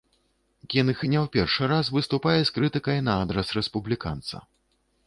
Кінг не ў першы раз выступае з крытыкай на адрас рэспубліканца.